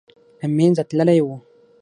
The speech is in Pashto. له منځه تللی وو.